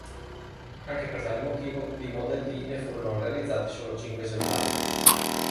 Anche per tale motivo, di Model D ne furono realizzati solo cinque esemplari.